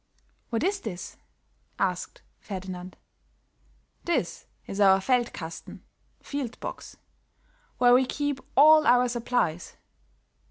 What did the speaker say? "What is this?" asked Ferdinand. "This is our Feld kasten (field box) where we keep all our supplies.